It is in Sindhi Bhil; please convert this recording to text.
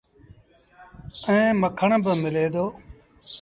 ائيٚݩ مکڻ با ملي دو۔